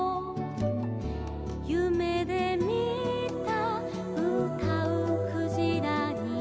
「ゆめでみたうたうクジラに」